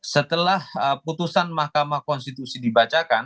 setelah putusan mahkamah konstitusi dibacakan